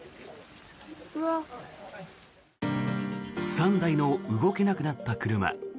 ３台の動けなくなった車。